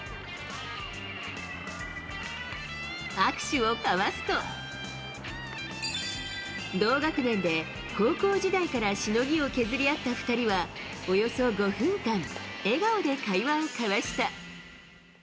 握手を交わすと、同学年で、高校時代からしのぎを削り合った２人は、およそ５分間、笑顔で会話を交わした。